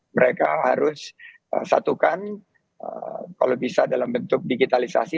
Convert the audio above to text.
mereka harus satukan kalau bisa dalam bentuk digitalisasi